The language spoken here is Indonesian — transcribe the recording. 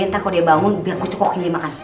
entah kalo dia bangun biar kucuk kok gini makan